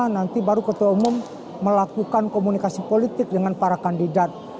nanti baru ketua umum melakukan komunikasi politik dengan para kandidat